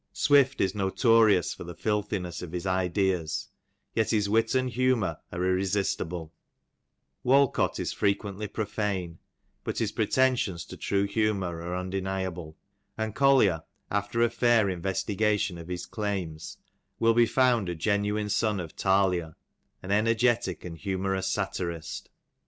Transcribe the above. Swift is notorious for the filthi ness of his ideas, yet his wit and humour are irresistible; Walcot is frequently profane, but his pretensions to true humour are undeniable ; and Collier after a fair investigation of his claims will be found a genuine son of Thalia, an ener getic and humourous satirist.